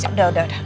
udah udah udah